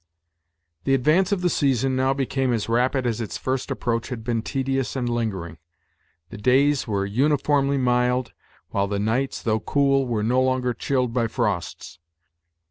The advance of the season now became as rapid as its first approach had been tedious and lingering. The days were uniformly mild, while the nights, though cool, were no longer chilled by frosts.